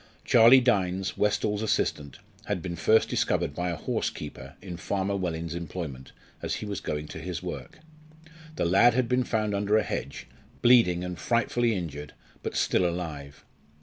Charlie Dynes, Westall's assistant, had been first discovered by a horsekeeper in Farmer Wellin's employment as he was going to his work. The lad had been found under a hedge, bleeding and frightfully injured, but still alive.